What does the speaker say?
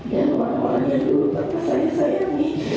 dan orang orang yang dulu terpaksanya sayangi